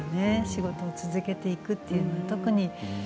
仕事を続けていくというのは。